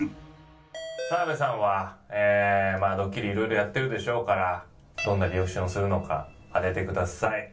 澤部さんはまあドッキリいろいろやってるでしょうからどんなリアクションをするのか当ててください。